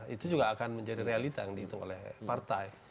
itu juga akan menjadi realita yang dihitung oleh partai